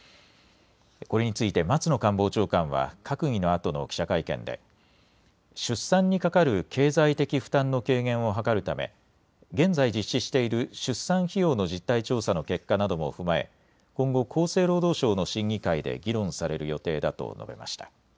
これについて松野官房長官は閣議のあとの記者会見で出産にかかる経済的負担の軽減を図るため現在、実施している出産費用の実態調査の結果なども踏まえ今後、厚生労働省の審議会で議論される予定だと述べました。